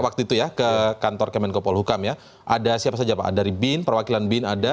waktu itu ya ke kantor kemenkopol hukam ya ada siapa saja pak dari bin perwakilan bin ada